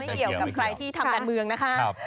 เกี่ยวกับใครที่ทำการเมืองนะคะ